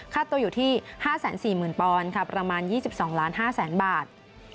ค่าตัวอยู่ที่๕๔๐๐๐ปอนด์ค่ะประมาณ๒๒๕๐๐๐๐บาท